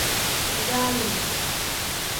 Bisaani.